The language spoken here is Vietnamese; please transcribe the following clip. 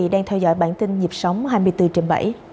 đang theo dõi bản tin nhịp sống hai mươi bốn trên bảy